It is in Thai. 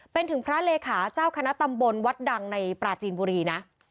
เป็นถึงพระเลขาเจ้าคณะตำบลวัดดังในปราจีนบุรีนะ